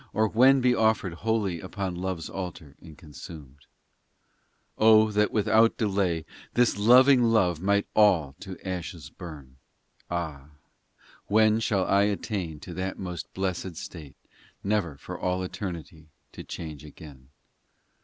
Or when be offered Wholly upon love s altar and consumed ? POEMS 307 XII Oh that without delay This loving love might all to ashes burn ! Ah, when shall I attain To that most blessed state, Never for all eternity to change again